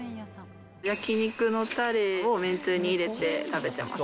焼き肉のたれをめんつゆに入れて食べてます。